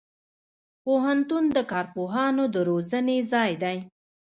پوهنتون د کارپوهانو د روزنې ځای دی.